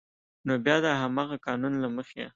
نو بیا د همغه قانون له مخې